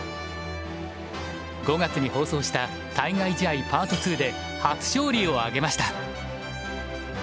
５月に放送した「対外試合Ｐａｒｔ２」で初勝利を挙げました。